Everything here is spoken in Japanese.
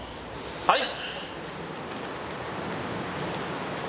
はい！